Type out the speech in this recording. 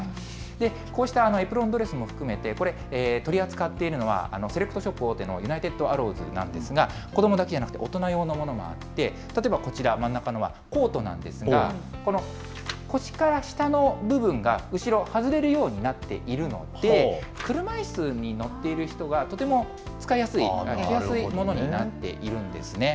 こうしたエプロンドレスも含めてこれ、取り扱っているのはセレクトショップ大手のユナイテッド・アローズなんですが、子どもだけじゃなくて大人用のものもあって、例えばこちら、真ん中のは、コートなんですが、この腰から下の部分が後ろ、外れるようになっているので、車いすに乗っている人がとても使いやすい、着やすいものになっているんですね。